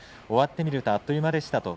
終わってみればあっという間でした。